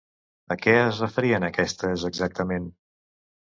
A què es referien aquestes exactament?